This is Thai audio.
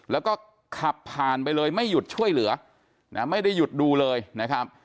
แล้วก็ขับผ่านไปเลยไม่หยุดช่วยเหลือนะไม่ได้หยุดดูเลยนะครับ